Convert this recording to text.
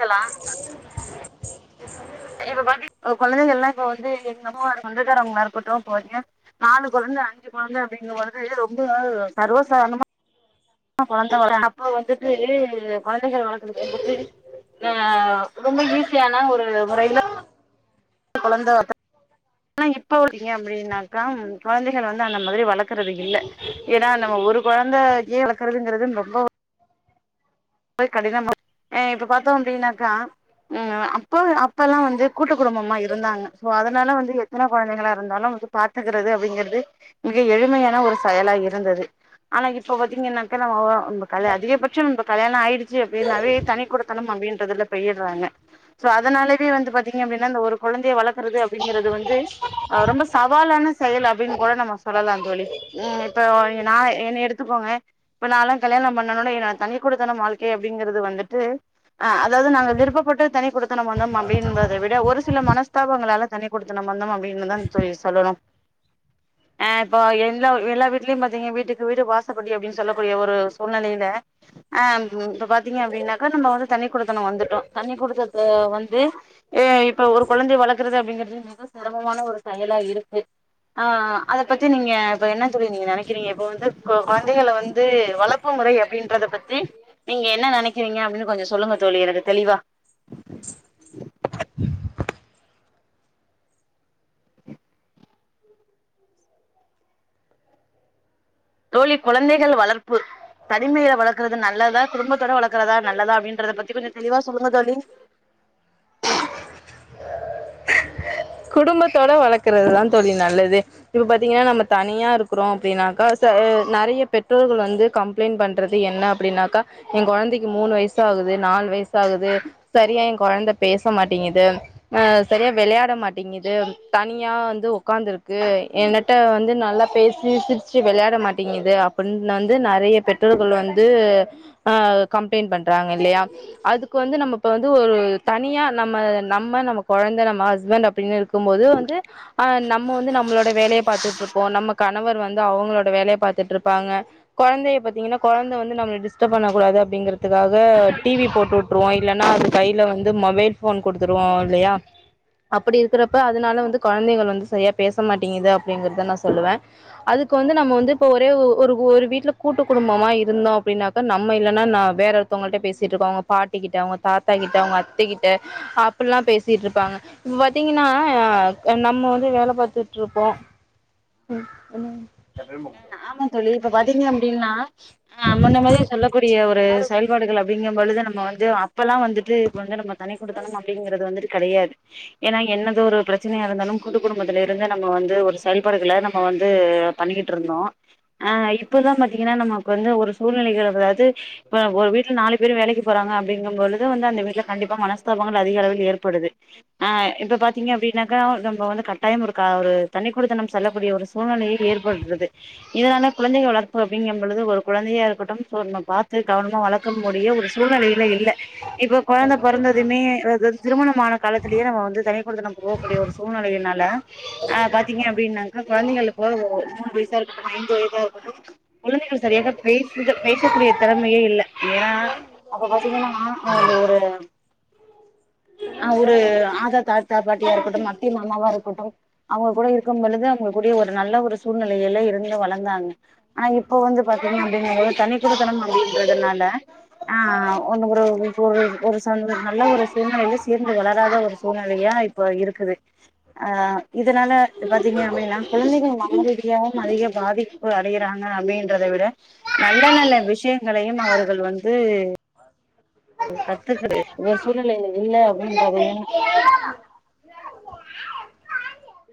hello இப்ப பாத்தி கொழந்தைகள்லா இப்ப வந்து எங்க அம்மாவோட சொந்தக்காரங்கலாருக்கட்டு போறீங்க நாலு கொழந்த அஞ்சு கொழந்த அப்படிங்க போது ரொம்ப சர்வசாதாரணமா ஆ கொழந்த வர அப்ப வந்துட்டு கொழந்தகைகள் வழக்குறது ரொம்ப அ ஈஸியான ஒரு முறையில கொழந்த வத் ஆனா இப்பா வத்தீங்க அப்டின்னாக்கா ம் கொழந்தைக வந்து அந்த மாரி வளக்கறது இல்ல ஏன்னா நம்ம ஒரு கொழந்த கே வளக்கறதுங்கறது ரொம்ப ரொம்பவே கடின [inaudible] எ இப்ப பாத்தோ அப்டின்னாக்கா ம் அப்போ அப்பல்லா வந்து கூட்டு குடும்பமா இருந்தாங்க சோ அதனால வந்து எத் தன கொழந்தைங்களா இருந்தாலு வந்து பாத்துக்குறது அப்படிங்கறது மிக எளிமையான ஒரு செயலா இருந்தது ஆனா இப்போ பாத்தீங்கன்னாக்கா நம்மோ நம்ப கல் அதிகபட்சோ கல்யாணோ ஆயிடுச்சு அப்டின்னாவே தனி குடுத்தணோ அப்டின்றதுல பேயிட்றாங்க சோ அதுனாலவே வந்து பாத்தீங்க அப்டின்னா அந்த ஒரு கொழந்தைய வளக்குறது அப்டிங்கிறது வந்து ஆ ரொம்ப சவாலான செயல் அப்டின்னு கூட நம்ம சொல்லலா தோழி ம் இப்ப ஓ நா என்னைய எடுத்துக்கோங்க இப்ப நாலாம் கல்யாணம் பண்ணுனோன ஏ நா தனி குடுத்தனம் வாழ்க்கை அப்டிங்கிறது வந்துட்டு ஆ அதாவது நாங்க விருப்பப்பட்டு தனி குடுத்தனம் வந்தோம் அப்படின்பத விட ஒரு சில மனஸ்தாபங்களால தனிக் குடுத்தனம் வந்தோம் அப்டின்னுதா தோழி சொல்லணும் [inaudible] ஆ இப்போ எல்லா எல்லா வீட்லயும் பாத்தீங்க வீட்டுக்கு வீடு வாசப்படி அப்டின்னு சொல்லக்கூடிய ஒரு சூழ்நெலயில ஆ இப்ப பாத்தீங்க அப்டின்னாக்கா நம்ம வந்து தனி குடுத்தனோ வந்துட்டோ தண்ணி குடுத்த ப்போ வந்து எ இப்ப ஒரு கொழந்தைய வளர்க்குறது அப்டிங்கிறது தா செரமமான ஒரு செயலா இருக்கு ஆ அத பத்தி நீங்க இப்ப என்ன தோழி நீங்க நெனைக்கிறீங்க இப்ப வந்து கொ கொழந்தைகள வந்து வளர்ப் ப்பு முறை அப்டின்றத பத்தி நீங்க என்ன நெனைக்கிறீங்க அப்டின்னு கொஞ்ச சொல்லுங்க தோழி எனக்கு தெளிவா தோழி கொழந்தைகள் வளர்ப்பு தனிமையில வளர்க்குறது நல்லதா குடும்பத்தோட வளர்க்குறதா நல்லதா அப்டின்றத பத்தி கொஞ்ச தெளிவா சொல்லுங்க தோழி குடும்பத்தோட வளர்க்குறதுதா தோழி நல்லது இப்ப பாத்தீங்கென்னா நம்ம தனியா இருக்குறோ அப்டின்னாக்கா ச நெறையா பெற்றோர்கள் வந்து கம்ப் ளைன்ட் பண்றது என்ன அப்டின்னாக்கா ஏ கொழந்தைக்கு மூணு வய்சு ஆகுது நாலு வய்சு ஆகுது சரியா ஏ கொழந்த பேச மாட்டேங்கிது ஆ சரியா வெளையாட மாட் ங்கிது தனியா வந்து உக்காந்துருக்கு என்னட்ட வந்து நல்லா பேஸ் சிருச்சுச்சு வெளையாட மாட்டேங்கிது அப்டின்னு வந்து நெறையா பெற்றோர்கள் வந்து ஆ கம்ப்ளைண்ட் பண்றாங்க இல்லையா அதுக்கு வந்து நம்ம இப்ப வந்து ஒரு தனியா நம்ம நம்ம நம்ம கொழந்த நம்ம ஹஸ்பண்ட் அப்டின்னு இருக்கு க்கும் போது வந்து ஆ நம்ம வந்து நம்ளோட வேலைய பாத்துட்ருப்போ நம்ம கணவர் வந்து அவுங்களோட வேலைய பாத்துட்ருப்பாங்க கொழந்தைய பாத்தீங்கென்னா கொழந்த வந்து நம்மல டிஸ்டர்ப் பண்ணக்கூடாது அப்டிங்கிறதுக்காக டிவி போட்டுவுட் ட்ருவோ இல்லேன்னா வந்து கையில வந்து மொபைல் ஃபோன் குடுத்துருவோ இல்லையா அப்புடி இருக்குறப்ப அதுனால வந்து கொழந்தைகள் வந்து சரியா பேசமாட்டேங்கிது அப்டிங்கிறத நா சொல்லுவே அதுக்கு வந்து நம்ம வந்து இப்ப ஒரே ஒ ஒரு ஒரு வீட்டுல கூட்டு குடும்பமா இருந்தோ அப்டின்னாக்க நம்ம இல்லன்னா நா வேற மத்தவுங்கள்ட்ட பேசிட்ருக்கோ அவுங்க பாட்டிகிட்ட அவுங்க தாத்தா கிட்ட அவுங்க அத்தைகிட்ட அப்புல்லா பேசிட்ருப்பாங்க இப்ப பாத்தீங்கென்னா நம்ம வந்து வேல பாத்துட்ருப்போ அ [unintelligible] ஆமா தோழி இப்ப பாத்தீங்க அப்டின்னா ஆ முன்ன மாரியே சொல்லக்கூடிய ஒரு செயல்பாடுகள் அப்டிங்கம் பொழுதுதா நம்ம வந்து இப்பல்லா வந்துட்டு இப்ப வந்து நம்ம தனி குடுத்தனம் அப்டிங்கிறது வந்துட்டு கெடையாது ஏன்னா என்னத ஒரு ப்ரச்சனையா இருந்தாலும் கூட்டு குடும்பத்துல இருந்து நம்ம வந்து ஒரு செயல்பாடுகள நம்ம வந்து பண்ணிக்கிட் ட்ருந்தோ ஆ இப்பதா பாத்தீங்கன்னா நமக்கு வந்து ஒரு சூழ்நிலைகள் அதாவது இப்ப ஒரு வீட்டுல நாலு பேரு வேலைக்கி போறாங்க அப்டிங்கும் பொழுது வந்து அந்த வீட்ல கண்டிப்பா மனஸ்தாபங்கள் அதிக அளவில் ஏற்படுது ஆ இப்ப பாத்தீங்க அப்டின்னாக்கா நம்ம வந்து கட்டாயம் இருக்கா ஒரு தனிக்குடுத்தனம் நம்ம செல்லக்கூடிய ஒரு சூழ்நிலையு ஏற்படுது இதுனால குழந்தைகள் வளர்ப்பு அப்டிங்கம்பொழுது ஒரு குழந்தையா இருக்கட்டும் சோ நா பாத்து கவனமா வளர்க்க முடிய ஒரு சூழ்நிலையில இல்ல இப்ப குழந்த பொறந்ததுமே அது திருமணமான காலத்துலயே நம்ம வந்து தனி அப்பொழுது நமக்கு போகக்கூடிய ஒரு சூழ்நெலையினால அ பாத்தீங்க அப்டின்னாக்க கொழந்தைகளுக்கு ஒ ஒரு மூணு வயசு [unintelligible] வயசா இருக்கட்டும் குழந்தைகள் சரியாக பேசு பேசக்கூடிய திறமையே இல்ல ஏனனா அப்ப பாத்தீங்கன்னா அந்த ஒரு [inaudible] அவரு ஆதா தாதா பாட்டியா இருக்கட்டு அத்தி மாமாவா இருக்கட்டு அவுங்க கூட இருக்கும் பொழுது அவுங்க கூடிய ஒரு நல்ல ஒரு சூழ் நிலையில இருந்து வளந்தாங்க ஆனா இப்போ வந்து பாத்தீங்கன்னா அப்டிங்கிறது தனி குடுத்தணம் அப்படின்றதுனால ஆ ஆ ஒன்னுக் கூட ஒரு ஒரு சந்த நல்ல ஒரு சூழ்நிலையில சேந்து வளராத ஒரு சூழ்நிலையா இப்ப இருக்குது ஆ இதனால பாத்தீங்க அப்படின்னா குழந்தைகள் மனரீதியா அதிக பாதிப்பு அடையறாங்க அப்படின்றத விட நல்ல நல்ல விஷயங்களையு அவர்கள் வந்து கத்துக்கற ஒரு சூழ்நிலையில இல்ல அப்படின்றதயு [inaudible]